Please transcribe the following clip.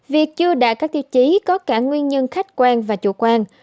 việc chưa đạt các tiêu chí có cả nguyên nhân khách quan và chủ quan